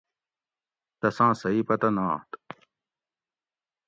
تساں صحیح پتہ نات